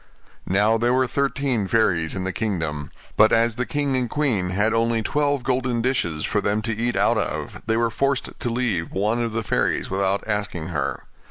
Now there were thirteen fairies in the kingdom; but as the king and queen had only twelve golden dishes for them to eat out of, they were forced to leave one of the fairies without asking her.